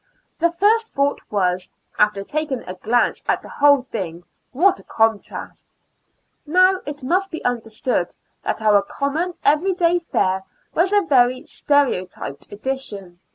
The first thought was, after taking a glance at the whole thing, what a contrast. Now it must be understood that our common every day fare was a very stereotyped edition.